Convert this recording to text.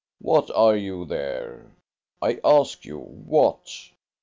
What are you there? I ask you, what?